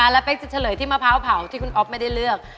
หรือที่มะพร้าวเผาที่คุณอ๊อฟไม่ได้เลือก